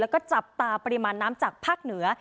แล้วก็จับตาปริมาณน้ำจากภาคเหนือ